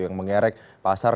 yang mengerek pasar